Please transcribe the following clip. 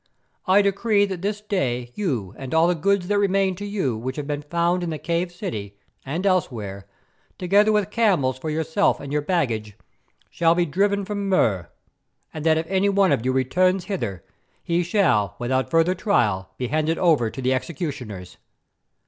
I decree that this day you and all the goods that remain to you which have been found in the cave city, and elsewhere, together with camels for yourselves and your baggage, shall be driven from Mur, and that if any one of you returns hither, he shall without further trial be handed over to the executioners.